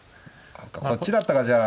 こっちだったかじゃあ。